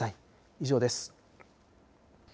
以上です。